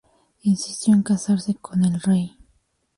Insistió en casarse con el rey.